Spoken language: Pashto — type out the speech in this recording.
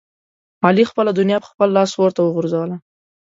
علي خپله دنیا په خپل لاس اورته وغورځوله.